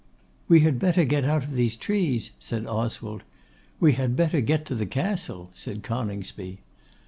'We had better get out of these trees,' said Oswald. 'We had better get to the Castle,' said Coningsby.